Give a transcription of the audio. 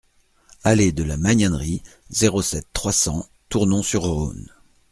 Allée de la Magnanerie, zéro sept, trois cents Tournon-sur-Rhône